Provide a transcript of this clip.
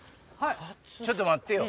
ちょっと待ってよ。